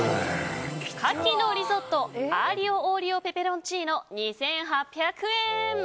牡蠣のリゾットアーリオオーリオペペロンチーノ２８００円。